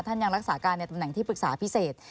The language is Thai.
ยังรักษาการในตำแหน่งที่ปรึกษาพิเศษ